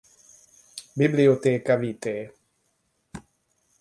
Bibliotheca vitae.